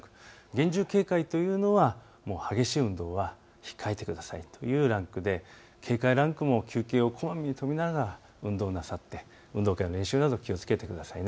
厳重警戒というのは激しい運動は控えてくださいというランクで警戒ランクも休憩をこまめに取りながら運動なさって運動会の練習など気をつけてください。